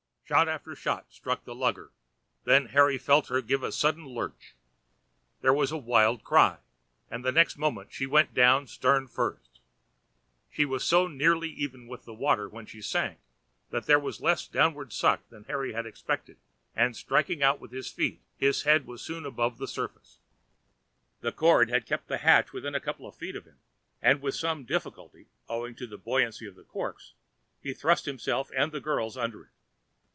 Shot after shot struck the lugger, then Harry felt her give a sudden lurch. There was a wild cry, and the next moment she went down stern first. She was so nearly even with the water when she sank that there was less downward suck than Harry had expected, and striking out with his feet his head was soon above the surface. The cord had kept the hatch within a couple of feet of him, and with some difficulty, owing to the buoyancy of the corks, he thrust himself and the girls under it.